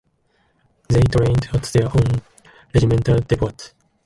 They trained at their own regimental depot.